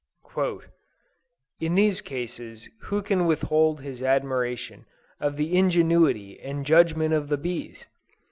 _ "In these cases who can withhold his admiration of the ingenuity and judgment of the bees?